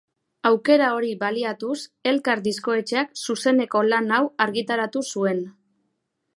Aukera hori baliatuz Elkar diskoetxeak zuzeneko lan hau argitaratu zuen.